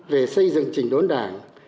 về xây dựng trình đốn đảng